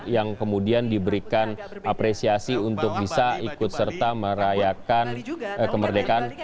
yang kemudian diberikan apresiasi untuk bisa ikut serta merayakan kemerdekaan